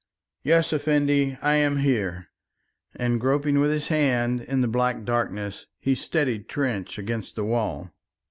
"Yes, Effendi, I am here," and groping with his hand in the black darkness, he steadied Trench against the wall.